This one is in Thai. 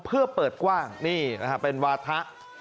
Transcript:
เพื่อเปิดกว้างนี่เป็นวาธะ